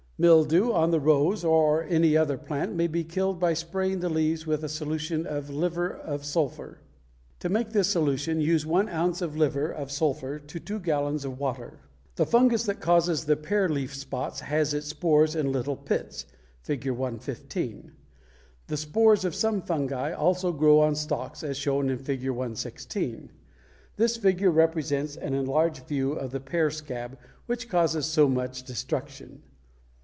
Mildew on the rose or on any other plant may be killed by spraying the leaves with a solution of liver of sulphur; to make this solution, use one ounce of the liver of sulphur to two gallons of water. The fungus that causes the pear leaf spots has its spores in little pits (Fig. 115). The spores of some fungi also grow on stalks, as shown in Fig. 116. This figure represents an enlarged view of the pear scab, which causes so much destruction.